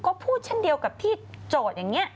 ก็พูดเช่นเดียวกับที่โจทย์อย่างนี้